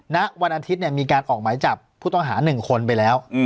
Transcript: นะวันอาทิตย์เนี้ยมีการออกหมายจับผู้ต้องหาหนึ่งคนไปแล้วอืม